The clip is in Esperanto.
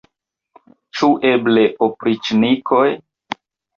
Ĉu eble opriĉnikoj?